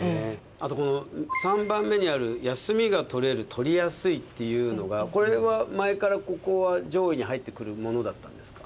あとこの３番目にある休みが取れる取りやすいっていうのがこれは前からここは上位に入ってくるものだったんですか？